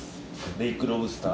レイクロブスター？